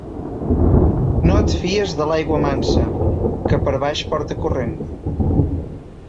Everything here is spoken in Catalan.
No et fies de l'aigua mansa, que per baix porta corrent.